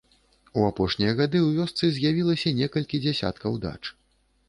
У апошнія гады ў вёсцы з'явілася некалькі дзясяткаў дач.